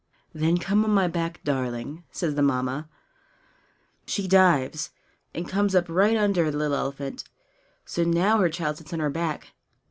"Then come on my back, darling!" says the Mamma. She dives, and comes up right under the little elephant; so now her child sits on her back.